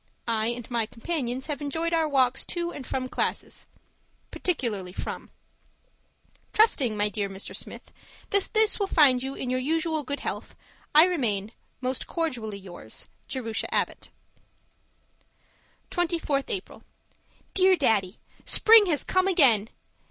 I and my companions have enjoyed our walks to and from classes particularly from. Trusting, my dear Mr. Smith, that this will find you in your usual good health, I remain, Most cordially yours, Jerusha Abbott 24th April Dear Daddy, Spring has come again!